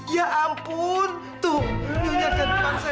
ya ampun tuh nyonya dan pansel